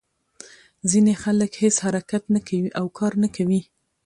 ځینې خلک هېڅ حرکت نه کوي او کار نه کوي.